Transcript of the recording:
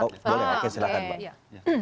boleh silahkan pak